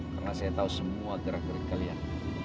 karena saya tahu semua drageri kalian